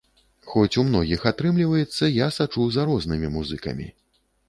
Хоць у многіх атрымліваецца, я сачу за рознымі музыкамі.